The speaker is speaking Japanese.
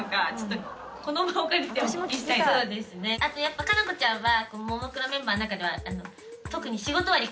あとやっぱ夏菜子ちゃんはももクロメンバーの中では特に。